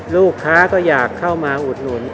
ลูกค้าก็อยากเข้ามาอุดหนุน